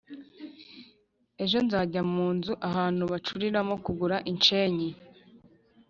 ejo nzajya mu nzu (ahantu) bacuriramo kugura inshenyi